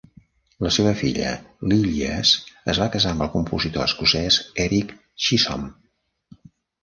La seva filla, Lillias, es va casar amb el compositor escocès Erik Chisholm.